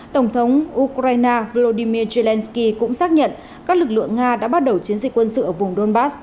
tổng thống ukraine volodymyr zelenskyy cũng xác nhận các lực lượng nga đã bắt đầu chiến dịch quân sự ở vùng donbass